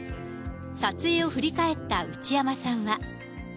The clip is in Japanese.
撮影を振り返った内山さんは。